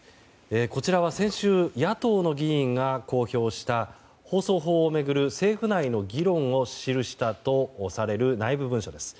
こちらは先週野党の議員が公表した放送法を巡る政府内の議論を記したとされる内部文書です。